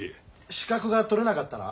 資格が取れなかったら？